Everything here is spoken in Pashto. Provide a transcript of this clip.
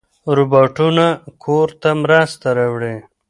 روباټونه کور ته مرسته راوړي.